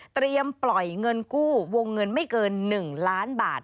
ปล่อยเงินกู้วงเงินไม่เกิน๑ล้านบาท